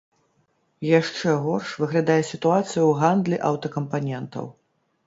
Яшчэ горш выглядае сітуацыя ў гандлі аўтакампанентаў.